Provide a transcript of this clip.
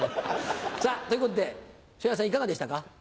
さぁということで昇也さんいかがでしたか？